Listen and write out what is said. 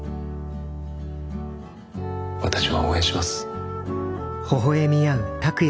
私は応援します。